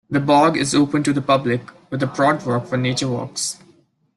The bog is open to the public with a boardwalk for nature walks.